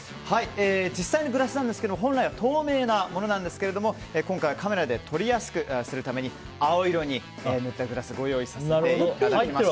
実際のグラスなんですが本来は透明のものなんですが今回はカメラで撮りやすくするために青色に塗ったグラスをご用意させていただきました。